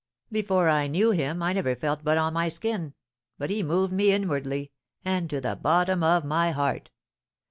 Before I knew him I never felt but on my skin, but he moved me inwardly, and to the bottom of my heart.